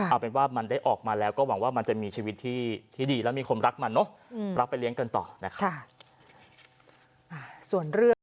เอาเป็นว่ามันได้ออกมาแล้วก็หวังว่ามันจะมีชีวิตที่ดีแล้วมีคนรักมันเนอะรักไปเลี้ยงกันต่อนะครับ